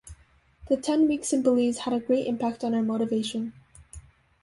The ten weeks in Belize had a great impact on her motivation.